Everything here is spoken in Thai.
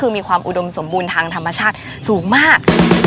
คือมีความอุดมสมบูรณ์ทางธรรมชาติสูงมาก